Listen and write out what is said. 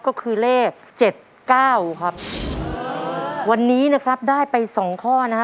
ก็คือเลขเจ็ดเก้าครับวันนี้นะครับได้ไปสองข้อนะฮะ